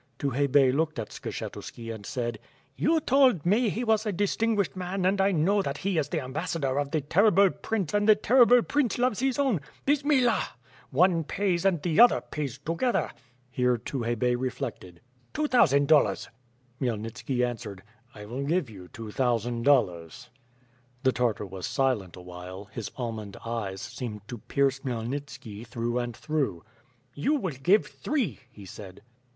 Tukhay Bey looked at Skshetuski and said: "You told me he was a distinguished man and I know that he is the ambassador of the terrible prince and the terrible prince loves his own, Bismillah!* One pays, and the other pays — together ..." Here Tukhay Bey reflected: "Two thousand dollars." Khmyelnitski answered, "I will give you two thousand dollars." The Tartar was silent awhile; his almond eyes seemed to pierce Khmyelnitski through and through: "You will give three," he said.